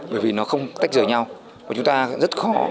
bởi vì nó không tách rời nhau và chúng ta rất khó